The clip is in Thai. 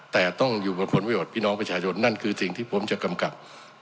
แต่ต้องอยู่บนผลวิบัติพี่น้องประชาชนนั่นคือสิ่งที่ผมจะกำกับ